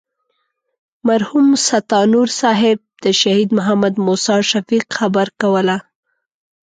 مرحوم ستانور صاحب د شهید محمد موسی شفیق خبره کوله.